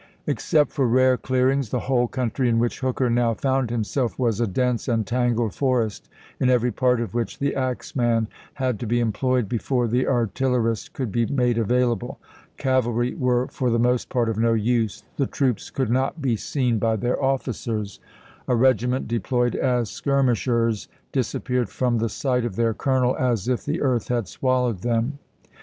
Except for rare clearings, the whole country in which Hooker now found himself was a dense and tangled forest, in every part of which the axman had to be employed before the artiller ist could be made available ; cavalry were for the most part of no use ; the troops could not be seen by their officers ; a regiment deployed as skirmish ers disappeared from the sight of their colonel as if the earth had swallowed them.